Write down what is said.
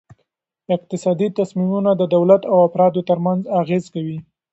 اقتصادي تصمیمونه د دولت او افرادو ترمنځ اغیز کوي.